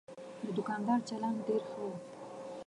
د دوکاندار چلند ډېر ښه و.